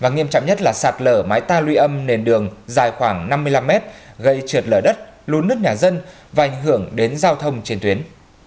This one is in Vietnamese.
nhiềm chẳng nhất là sạt lở máy ta luy âm nền đường dài khoảng năm mươi năm m gây trượt lở đất lún nước nhà dân và ảnh hưởng đến giao thông trên tuyến